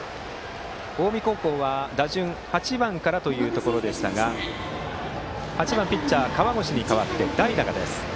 近江高校は打順が８番からというところでしたが８番ピッチャー、河越に代わって代打です。